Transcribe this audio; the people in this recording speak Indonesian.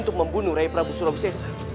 dan membunuh rai prabu surawisesa